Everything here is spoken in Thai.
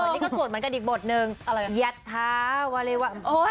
นี่ก็ส่วนเหมือนกันอีกบทหนึ่งยัทธาวริวัติ